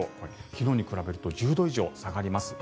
昨日に比べると１０度以上下がります。